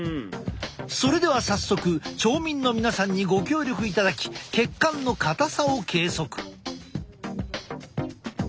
それでは早速町民の皆さんにご協力いただき血管の硬さを計測。